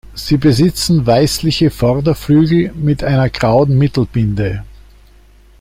Sie besitzen weißliche Vorderflügel mit einer grauen Mittelbinde.